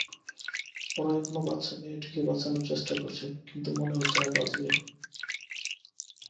ওরা এখনও বাচ্চা মেয়েটিকে বাঁচানোর চেষ্টা করছে, কিন্তু মনে হচ্ছে না বাঁচবে।